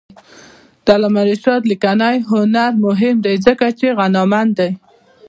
د علامه رشاد لیکنی هنر مهم دی ځکه چې غنامند دی.